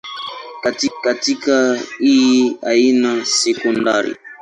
Kata hii haina sekondari.